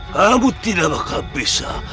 kamu tidak bakal bisa